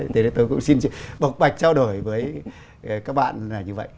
thế nên tôi cũng xin bọc bạch trao đổi với các bạn như vậy